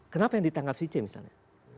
kenapa yang ditangkap si c misalnya